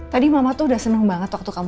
tadi mama tuh udah seneng banget tok tung